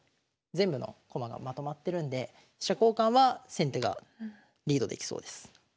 全部の駒がまとまってるんで飛車交換は先手がリードできそうです。